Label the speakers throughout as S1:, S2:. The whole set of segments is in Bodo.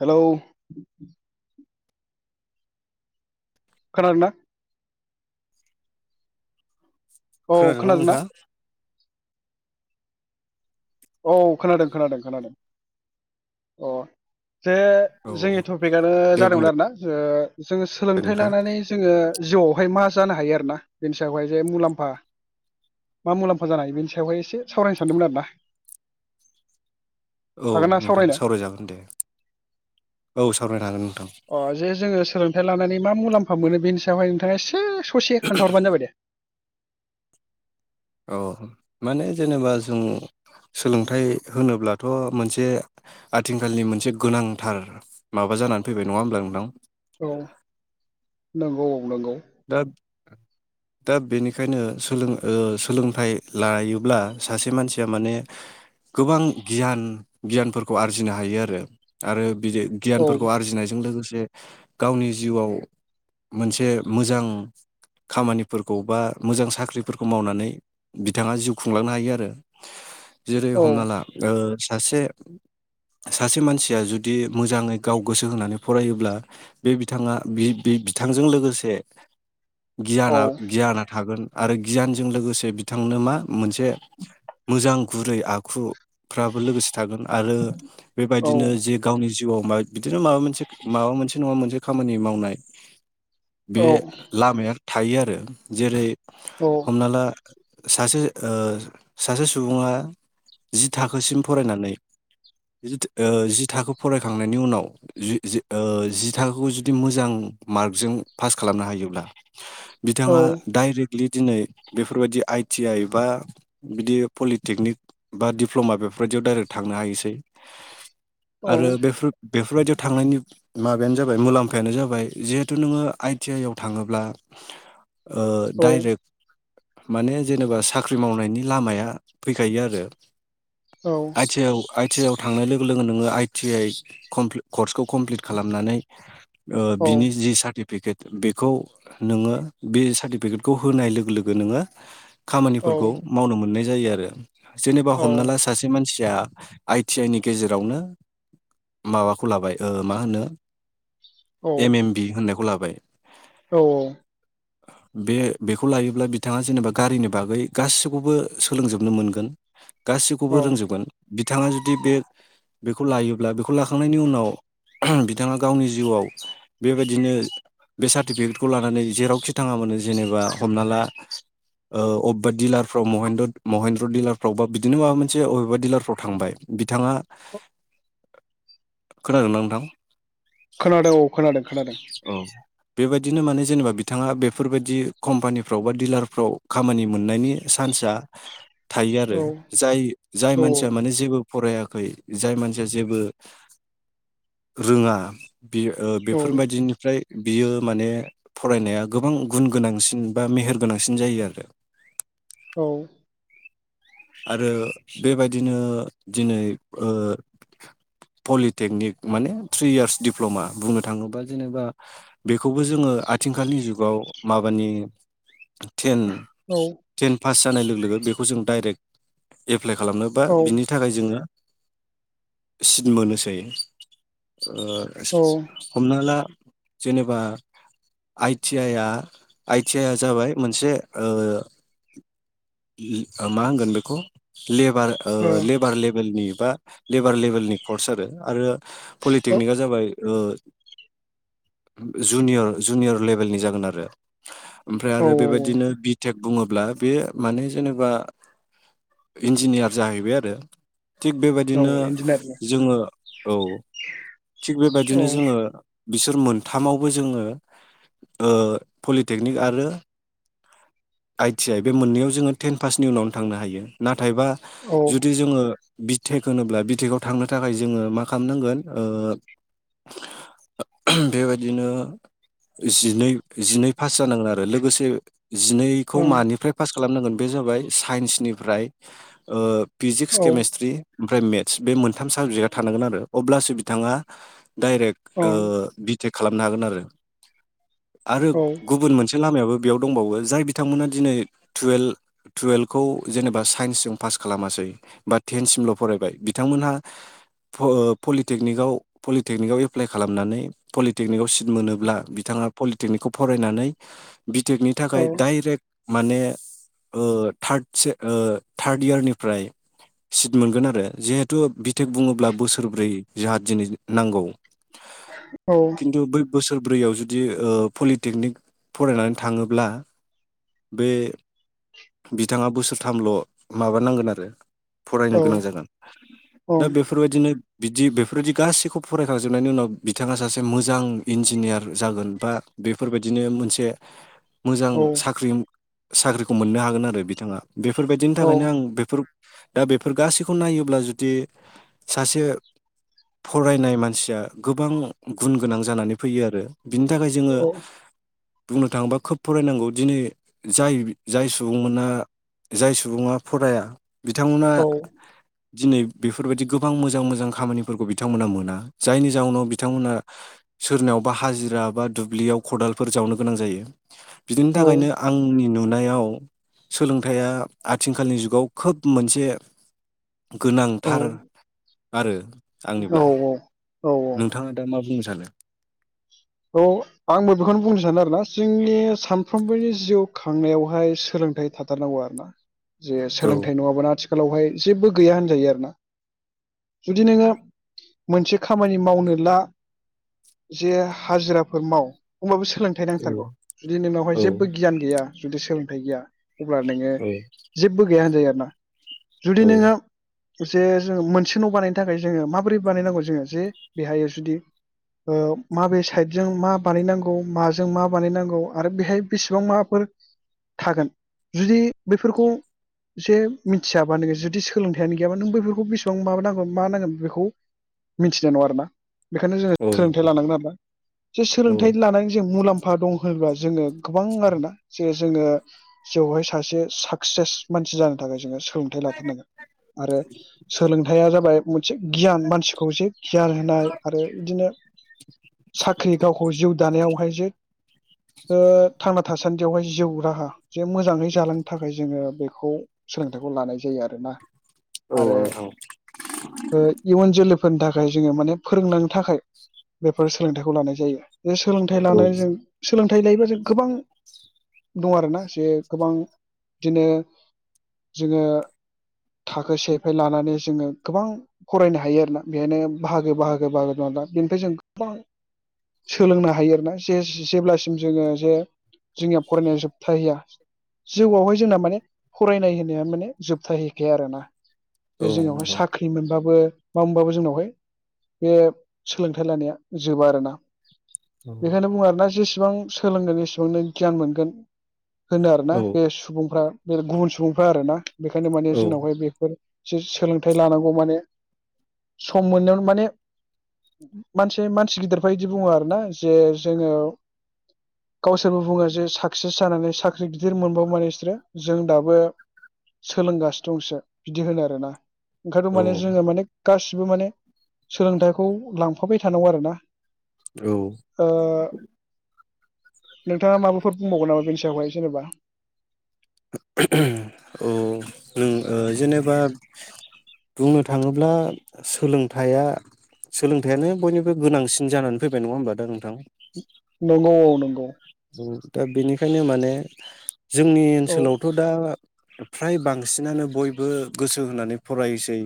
S1: हेल' खोनादोंना?
S2: खोनादोंना नोंथाङा?
S1: औ खोनादों खोनादों खोनादों अ। जे जोंनि
S2: औ
S1: टपिकआनो
S2: दे
S1: जादोंमोन
S2: बुंलाय
S1: आरोना जे जोंङो सोलोंथाइ
S2: नोंथां
S1: लानानै जोंङो जिउआवहाय मा जानो हायो आरो ना बेनि सायावहाय जे मुलाम्फा मा मुलाम्फा जानो हायो बेनि सायावहाय एसे सावरायनो सानदोंमोन आरो ना।
S2: औ
S1: ना
S2: नोंथां
S1: सावरायनो
S2: सावरायजागोन दे औ सावरायनो हागोन। नोंथां
S1: अ जे जोंङो सोलोंथाइ लानानै मा मुलाम्फा मोनो बेनिसायावहाय नोंथांङा एसे ओ ससे खोन्थाहरबानो जाबाय दे।
S2: औ माने जेनेबा जों सोलोंथाइ होनोब्ला थ' मोनसे आथिंखालनि मोनसे गोनांथार माबा जाना फैबाय नङा होमब्ला नोंथां।
S1: औ नंगौ औ नंगौ।
S2: दा दा बेनिखायनो सोलों ओ सोलोंथाइ लायोब्ला सासे मानसिया माने गोबां गियान गियानफोरखौ आरजिनो हायो आरो आरो बिदि
S1: औ
S2: गियानफोरखौ आरजिनायजों लोगोसे जे गावनि जिउआव मोनसे मोजां खामानिफोरखौ बा मोजां साख्रिफोरखौ मावनानै बिथांङा जिउ खुंलांनो हायो आरो जेरै
S1: औ
S2: हमना ओ सासे सासे मानसिया जुदि मोजाङै गाव गोसो होनानै फरायोब्ला बे बिथाङा बि-बि बिथांजों लोगोसे
S1: औ
S2: गियाना गियाना थागोन आरो गियानजों लोगोसे बिथांनो मा मोनसे मोजां गुरै आखुफ्राबो लोगोसे थागोन आरो
S1: औ
S2: बेबायदिनो जे गावनि जि जिउआव बिदिनो माबा मोनसे माबा मोनसे नङा मोनसे खामानि मावनाय बे
S1: औ
S2: लामाया थायो आरो जेरै
S1: औ
S2: हमना ला सासे ओ सासे सुबुङा जि थाखोसिम फरायनानै जिथ ओ जि थाखो फरायखांनायनि उनाव जि-जि ओ जि थाखोखौ जुदि मोजां मार्कजों पास खालामनो हायोब्ला
S1: औ
S2: बिथाङा डाइरेक्टलि दिनै बेफोरबायदि आइटि आइ बा बिदि पलिटेकनिक बा दिडप्ल'मा बेफोरबायदियाव डाइरेक्ट थांनो हायोसै
S1: औ
S2: आरो बेफोर बेफोरबायदि थांनायनि माबायानो जाबाय मुलाम्फायानो जाबाय जिहेथु नोङो आइटि आइ आव थाङोब्ला ओ डाइरेक्ट माने जेनेबा साख्रि मावनायनि लामाया फैखायो आरो आइ थि आइ आव आइ टि आइ आव थांनाय लोगो लोगो नोङो आइ टि आइ कर्सखौ कमप्लिट खालामनानै ओ
S1: औ
S2: बिनि जि साख्रि फेकेट बेखौ नोङो बे सार्टिफिकेटखौ होनाय लोगो लोगो नोङो
S1: औ
S2: खामानिफोरखौ मावनो मोननाय जायो आरो जेनेबा
S1: औ
S2: हमना ला सासे मानसि जाया आइ टि आइ नि गेजेरावनो माबाखौ लाबाय ओ मा होनो एम
S1: औ
S2: एम बि होननाय बाय
S1: औ
S2: बे बेखौ लायोब्ला बिथाङा जेनेबा गारिनि बागै गासिखौबो सोलोंजोबनो मोनगोन गासैखौबो
S1: औ
S2: रोंजोबगोन बिथाङा जुदि बे बेखौ लायोब्ला बेखौ लाखांनायनि उनाव बिथाङा गावनि जिउआव बेबायदिनो बे सार्टिफिकेटखौ लानानै जेरावखि थाङा मानो जेनेबा हमना ला ओ अबेबा दिलारफ्राव मह्रे महेन्द्र दिलारफ्राव बा बिदिनो माबा मोनसे अबेबा दिलारफ्राव थांबाय बिथाङा खोनादों ना नोंथां
S1: खोनादों औ खोनादों खोनादों
S2: औ बेबायदिनो माने जेनेबा बिथाङा बेफोरबायदि कम्पानिफ्राव बा डिलारफ्राव खामानि मोननायनि सान्सआ थायो आरो जाय जाय
S1: औ
S2: मानसिया माने जेबो फरायाखै जाय मानसिया जेबो रोङा बे
S1: औ
S2: बेफोरबायदिनि फ्राय बियो माने फरायनाया गोबां गुन गोनांसिन बा मेहेर गोनांसिन जायो आरो
S1: औ
S2: आरो बेबायदिनो दिनै ओ पलिटेकनिक माने थ्रि इयार्स दिडमप्ल'मा बुंनो थाङोबा जेनेबा बे खौबो जोङो आथिखालनि जुगाव माबानि थेन
S1: औ
S2: थेन पास जानाय लोगो लोगो बेखौ जों डाइरेक्ट एप्लाइ खालामनोबा
S1: औ ओ
S2: बिनि थाखाय जोङो सिद मोनोसै ओ हमना ला जेनेबा आइटिआइ या आइटिआइ आ जाबाय मोनसे ओ मा होनगोन बेखो ग लेबार ओ
S1: औ
S2: लेबार लेभेलनि एबा लेबार लेभेलनि कर्स आरो आरो पलिटेकनिकआ जाबाय ओ जुनियर जुनियर लेभेलनि जागोन आरो ओमफ्राय
S1: औ
S2: आरो बेबायदिनो बिटेक बुङोब्ला बे माने जेनेबा इन्जिनियार जाहैबाय आरो थिग
S1: औ
S2: बेबायदिनो
S1: इन्जिनियार
S2: जोङो औ थिग
S1: औ
S2: बेबायदिनो जोङो बिसोर मोनथामावबो जोङो ओ पलिटेकनिक आरो आइटि आइ बे मोननैयाव जोङो टेन पासनि उनावनो थांनो हायो नाथायबा
S1: औ
S2: जुदि जोङो बिटेक होनोब्ला बिटेकआव थांनो थाखाय जोङो मा खामनांगोन बेबायदिनो जिनै जिनै पास जानांगोन आरो लोगोसे जिनैखौ मानिफ्राय पास खालामनांगोन बे जाबाय साइन्सनिफ्राय ओ फिजिक्स
S1: ओं औ
S2: केमेस्ट्रि ओमफ्राय मेथ्स बे मोनथाम साबजेका थानांगोन आरो अब्लासो बिथाङा डाइरेक ओ
S1: ओं
S2: बि टेक खालामनो हागोन आरो आरो
S1: औ
S2: गुबुन मोनसे लामायावबो बेयाव दंबावो जाय बिथांमोना दिनै टुयेल टुयेलखौ जेनेबा साइन्सजों पास खालामासै बा टेन सिमल‌ फरायबाय बिथांमोनहा प ओ‌‌ पलि पलिटेकनिकआव पलिटेकनिकआव एप्लाइ खालामनानै पलिटेकनिकआव सिट मोनोब्ला बिथाङा पलिटेकनिकखौ फरायनानै बिटेकनि
S1: औ
S2: थाखाय डाइरेक माने ओ‌ थार्द से ओ थार्ड इयारनिफ्राय सिट मोनगोन आरो जिहेथु बिटेक बुङोब्ला बोसोरब्रै जाहा दिनै नांगौ
S1: औ
S2: खिन्थु बै बोसोर ब्रैयाव जुदि ओ पलिटेकनिक फरायनानै थाङोब्ला बे बिथाङा बोसोरथामल माबानांगोन आरो फरायनो गोनां जागोन दा
S1: ओं
S2: बेफोरबायदिनो बिदि बेफोरदि गासैखौबो फरायखांजोबनायनि उनाव बिथाङा सासे मोजां इन्जिनियार जागोन बा बेफोरबादिनो मोनसे मोजां
S1: औ
S2: साख्रि साख्रिखौ मोननो हागोन आरो बिथाङा बेफोर बिनि
S1: औ
S2: थाखायनो आं बेफोर दा बेफोर गासैखौ नायोब्ला जुदि सासे फरायनाय मानसिया गोबां गुन गोनां जानानै फैयो आरो बिनि थाखाय जोङो बुंनो थाङोबा खोब फरायनांगौ दिनै जाय जाय सुबुंमोना जाय सु बुङा फराया बिथांमोना दिनै बेफोरबादि गोबां मोजां मोजां खामानिफोरखौ बिथांमोना मोना जायनि जाउनाव बिथांमोना सोरनावबा हाजिरा बा दुब्लियाव खदालफोर जावनो गोनां जायो बिदिनि
S1: औ
S2: थाखायनो आंनि नुनाया आव सोलोंथाइया आथिंखालनि जुगाव खोब मोनसे गोनांथार आरो
S1: औ
S2: आंनिब्ला
S1: औ औ
S2: नोंथाङा दा मा बुंनो सानो
S1: औ आंबो बेखौनो बुंनो सानो आरोना सिंनि सामफ्रोमबोनि जिउ खांनायावहाय सोलोंथाइ थाथारनांगौ आरो ना जे
S2: औ
S1: सोलोंथाइ नङाबानो आथि खालावहाय जेबो गैया होनजायो आरोना जुदि नोङो मोनसे खामानि मावनो ला जे हाजिराफोर माव होमबाबो सो लोंथाइ
S2: औ
S1: नांथारगौ जुदि नोंनावहाय
S2: औ
S1: जेबो गियान गैया जुदि सोलोंथाइ गैया अब्ला नोङो जेबो गैया होनजायो आर ना जुदि
S2: औ
S1: नोङो जे जोङो मोनसे न' बानायनो थाखाय जोङो माबोरै बानायनांगौ जोङो जे बेहायो जुदि ओ माबे साइदजों मा बानायनांगौ माजों मा बानायनांगौ आरो बेहाय बेसेबां माफोर थागोन जुदि बेफोरखौ इसे मिथियाबा नोङो जुदि सोलोंथायानो गैयाबा नों बैफोरखौ बेसेबां माबा नांगोन मा नांगोन बेखौ मिथिनाय नङा आरोना बेखायनो जोङो सोलोंथाइ
S2: औ
S1: लानांगोन आरोना जे
S2: औ
S1: सोलोंथाइ लानानै जों मुलाम्फा दं होनबा जोङो गोबां आरोना जे जोङो जेवहाय सासे साक्सेस मानसि जानो थाखाय जोङो सो लोंथाइ लाथारनांगोन आरो सोलोंथाइया जाबाय मोनसे गियान मानसिखौ जे‌ गियान होनाय आरो बिदिनो साख्रि गावखौ जिउ दानाय [unintelligible] ओ थांना थासिग सान्दियावहाय जिउ राहा जे मोजाङै जालांनो थाखाय जोङो बेखौ सोलोंथाइखौ लानाय जायो आरोना
S2: औ
S1: आरो
S2: नोंथां
S1: ओ इयुन जोलै फोरनि थाखाय जोङो माने फोरोंनांनो थाखाय बेफोर सोलोंथाइखौ लानाय जायो। जे सोलोंथाइ
S2: औ
S1: लानायजों सोलों थाय लायोबा जों गोबां दङ' आरोना जे गोबां बिदिनो जोङो थाखो सेफाय लानानै जोङो गोबां फरायनो हायो आरोना बेहायनो बाहागो बाहागो बाहागो दं आरोना बेनिफ्राय जों सोलोंनो हायो आरोना जेस जेब्लासिम जोङो जे जोंनिया फरायनाया जोबथाहैया जिउआवहाय जोंना माने फरायनाय होनाया माने जोबथाहैखाया आरोना
S2: औ
S1: बे जोंनावहाय
S2: नंगौ
S1: साख्रि मोनबाबो मा मोनबाबो जोंनावहाय बे सोलोंथाइ लानाया जोबा आरोना
S2: औ
S1: बेखायनो बुङो आरोना जेसेबां सोलोंगोन एसिबांनो गियान मोनगोन होनो आरोना
S2: औ
S1: बे सुबुंफ्रा गुबुन सुबुंफ्रा आरोना बेखायनो माने
S2: औ
S1: जोंनावहाय बेफोर जे सोलोंथाइ लानांगौ माने सम मोननायाव माने मानसि एसे मानसि गिदिरबा बिदि बुङो आरो ना जे जोङो गावसोरबो बुङो जे साक्सेस जानानै साख्रि गिदिर मोनबावो माने बिसोरो जों दाबो सोलोंगासिनो दंसो बिदि होनो आरोना ओंखायथ' माने
S2: औ
S1: जोङो माने गासिबो माने सोलोंथाइखौ लांफाबाय थानांगौ आरो ना
S2: औ
S1: ओ नोंथाङा माबाफोर बुंबावगोन नामा बेनि सायावहाय जेनेबा
S2: औ नों दा जेनेबा बुंनो थाङोब्ला सोलोंथाइया सोलोंथाइयानो बयनिबो गोनांसिन जानानै फैबाय नङा होमबा दा नोंथां?
S1: नंगौ औ नंगौ।
S2: उम दा बेनिखायनो माने जोंनि
S1: औ
S2: ओनसोलावथ' दा फ्राय बांसिनानो बयबो गोसो होनानै फरायोसै।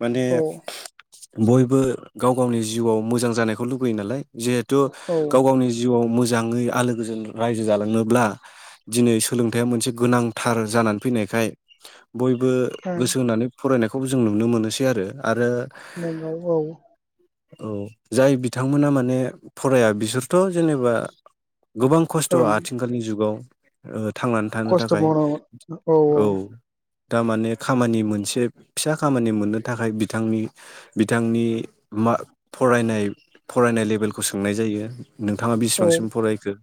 S2: माने
S1: औ
S2: बयबो गाव गावनि जिउआव मोजां जानायखौ लुबैयो नालाय जे टु
S1: औ
S2: गाव गावनि जिउआव मोज जाङै आलो गोजोन रायजो जालांनोब्ला दिनै सोलोंथाइया मोनसे गोनांथार जानानै फैनायखाय बयबो
S1: ओं
S2: गोसो होनानै फरायनायखौ जों नुनो मोनोसै आरो
S1: नोंगौ औ
S2: औ जाय बिथांमोना माने फराया बिसोरथ' जेनेबा गोबां खस्थ'
S1: ओं
S2: आथिखालनि जुगाव ओद थांनानै थानो
S1: खस्थ'
S2: थाखाय
S1: मावनांगौ
S2: औ दामाने खामानि मोनसे फिसा खामानि मोननो थाखाय बिथांनि बिथांनि मा फरायनाय फरायनाय लेबेलखौ सोंनाय जायो। नोंथाङा
S1: औ
S2: बेसिबांसिम जो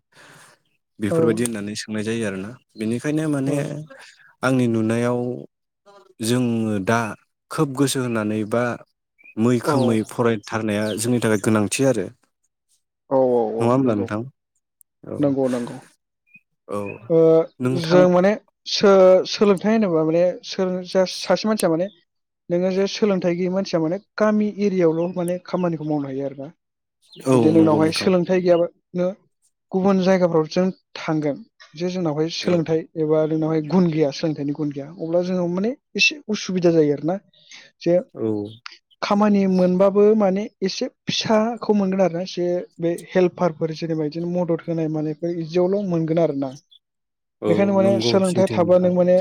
S1: औ
S2: बेफोरबायदि होननानै सोंनाय जायो आरो ना हो [unintelligible] बेनिखायनो माने आंनि नुनायाव जोङो दा खोब गोसो होनानै बा
S1: औ
S2: मैखोमै फरायथार होनाया जोंनि थाखाय गोनांथि आरो
S1: औ औ
S2: नंआ होमब्ला
S1: नंगौ
S2: नोंथां? औ
S1: नंगौ नंगौ
S2: औ
S1: ओ
S2: नोंथां
S1: जों माने सो सोलोंथाइ होनोबा माने सां सा सासे मानसिया माने नोङो जे सोलोंथाइ गैयै मानसिया माने गामि एरियायावल' माने खामानिखौ मावनो हायो आरो ना।
S2: औ
S1: बि
S2: नंगौ नोंथां
S1: नोंनावहायोलोंथाइ गैयाबा ओ गुबुन जायगाफोराव जों थांगोन। जे जोंनावहाय
S2: औ
S1: सोलोंथाइ एबा नोंनावहाय गुन गैया सोलोंथाइनि गुन गैया अब्ला जोंनाव माने एसे उसुबिदा जायो आरो ना। जे
S2: औ
S1: खामानि मोनबाबो माने एसे फिसाखौ मोनगोन आरो एसे बे हेल्पारफोर जेनेबा बिदिनो मदद होनाय मानायफोर बिदियावल' मोनगोन आरो ना।
S2: औ
S1: बेखायनो माने
S2: नंगौ
S1: सोलोंथाइ
S2: सैथो
S1: थाबा
S2: नोंथां
S1: नों माने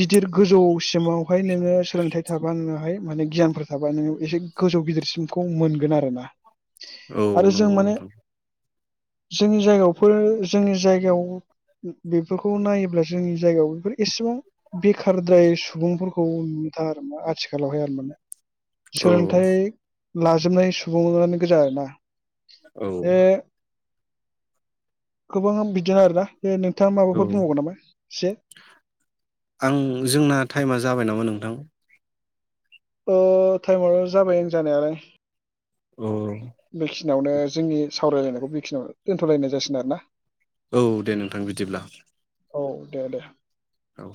S1: गिदिर गोजौसिमावहाय नोङो सोलोंथाइ थाबा नोङोहाय माने गियानफोर थाबा नोङो एसे गोजौ गिदिरसिमखौ मोनगोन आरो ना।
S2: औ नंगौ नोंथां।
S1: जोंनि जायगायावफोर जोंनि जायगायाव बेफोरखौ नायोब्ला जोंनि जायगायाव बेफोर एसेबां बेखारद्राय सुबुंफोरखौ नुनोथांआ आरो आथिखालावहाय आरोमाने।
S2: औ
S1: सोलोंथाइ लाजोबनाय सुबुङानो गोजा आरोना।
S2: औ।
S1: गोबाङाआनो बिदिनो आरोना। बे नोंथाङा
S2: औ
S1: माबाफोर बुंबावगोन नामा एसे
S2: आं जोंना टाइमा जाबाय नामा नों थां।
S1: अ टाइमाव' जाबाय ओं जानायालाय।
S2: औ
S1: [inaudible] बेखिनियावनो जोंनि सावरायलायनायखौ बेखिनियावनो दोन्थ'लायनाय जासिगोन आरोना।
S2: औ दे नोंथां बिदिब्ला।
S1: औ दे दे।
S2: औ।